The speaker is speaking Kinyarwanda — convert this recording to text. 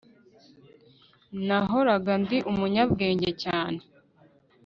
Nahoraga ndi umunyabwenge cyane